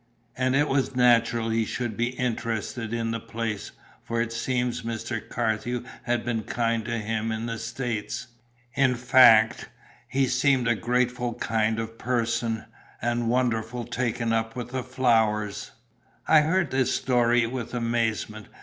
And it was natural he should be interested in the place, for it seems Mr. Carthew had been kind to him in the States. In fact, he seemed a grateful kind of person, and wonderful taken up with flowers." I heard this story with amazement.